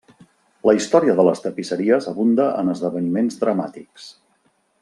La història de les tapisseries abunda en esdeveniments dramàtics.